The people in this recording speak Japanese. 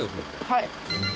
はい。